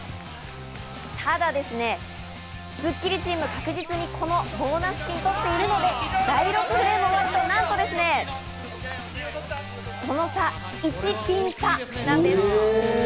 ただですね、スッキリチーム、確実にこのボーナスピンを取っているので、なんと、なんとですね、その差、１ピン差なんです。